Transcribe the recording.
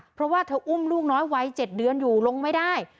เพราะว่าเธออุ้มลูกน้อยวัย๗เดือนอยู่ลงไม่ได้